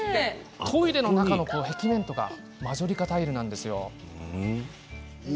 トイレの中の壁面がマジョリカタイルなんですよ。